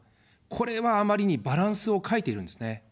これはあまりにバランスを欠いているんですね。